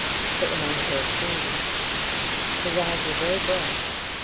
It reminded her of trees. His eyes were very bright.